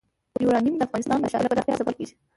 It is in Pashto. یورانیم د افغانستان د ښاري پراختیا سبب کېږي.